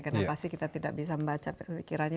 kenapa sih kita tidak bisa membaca pikirannya